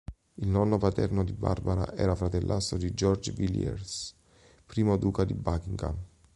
Il nonno paterno di Barbara era fratellastro di George Villiers, I duca di Buckingham.